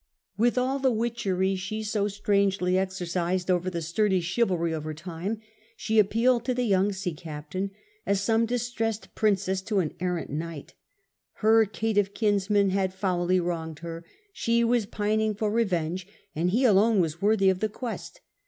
With all the witchery she so strangely exercised over the sturdy chivalry of her time, she appealed to the young sea captain as some distressed princess to an errant knight Her caitiff kinsman had foully wronged her, she was pining for revenge, and he alone was worthy of the quest.